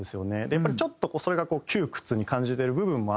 やっぱりちょっとこうそれが窮屈に感じてる部分もあって。